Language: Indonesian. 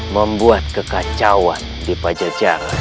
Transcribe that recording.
membuat kekacauan di pajajaran